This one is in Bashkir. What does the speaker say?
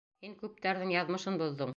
Һин күптәрҙең яҙмышын боҙҙоң.